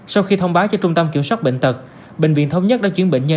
sau khi thông báo cho trung tâm kiểm soát bệnh tật bệnh viện thống nhất đã chuyển bệnh nhân